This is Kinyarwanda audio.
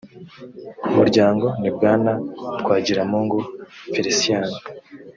muryango ni bwana twagiramungu f licien